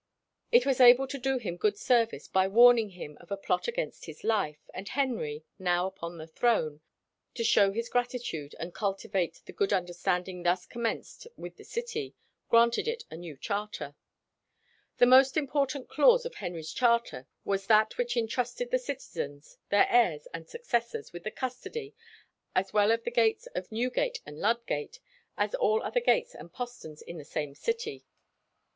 It was able to do him good service by warning him of a plot against his life, and Henry, now upon the throne, to show his gratitude, and "cultivate the good understanding thus commenced with the city, granted it a new charter." The most important clause of Henry's charter was that which entrusted the citizens, their heirs and successors, with the custody "as well of the gates of Newgate and Ludgate, as all other gates and posterns in the same city."